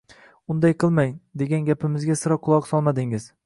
Unday qilmang, degan gapimizga sira quloq solmadingiz.